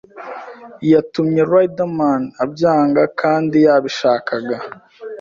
yatumye Riderman abyanga kandi yabishakaga